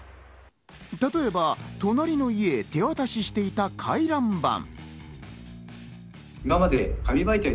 例えば隣の家へ手渡ししていた回覧板。